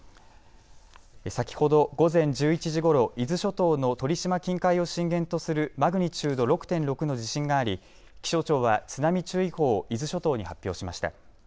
先ほど午前１１時ごろ伊豆諸島の鳥島近海を震源とするマグニチュード６．６の地震があり気象庁は津波注意報を伊豆諸島に発表しました。